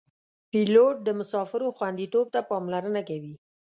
پیلوټ د مسافرو خوندیتوب ته پاملرنه کوي.